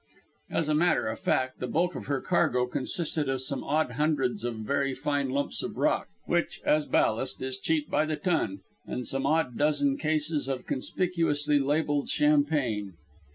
As a matter of fact, the bulk of her cargo consisted of some odd hundreds of very fine lumps of rock which as ballast is cheap by the ton and some odd dozen cases of conspicuously labeled champagne.